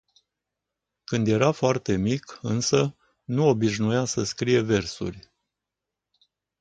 Când era foarte mic, însă, nu obișnuia să scrie versuri.